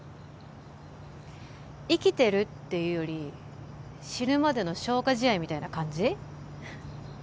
生きてるっていうより死ぬまでの消化試合みたいな感じ？